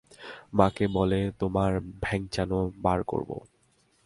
মাকে বলে তোমার ভ্যাংচানো বার করবো।